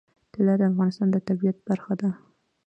طلا د افغانستان د طبیعت برخه ده.